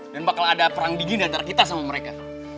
dan bakal ada perang dingin antara kita sama mereka